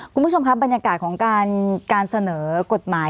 คุณผู้ชมครับบรรยากาศของการเสนอกฎหมาย